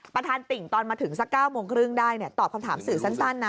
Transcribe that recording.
ติ่งตอนมาถึงสัก๙โมงครึ่งได้ตอบคำถามสื่อสั้นนะ